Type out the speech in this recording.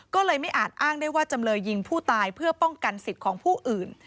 ก็เลยไม่อาจอ้างได้ว่าจำเลยยิงผู้ตายเพื่อป้องกันสิทธิ์ของผู้อื่น